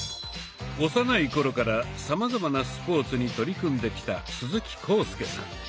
幼い頃からさまざまなスポーツに取り組んできた鈴木浩介さん。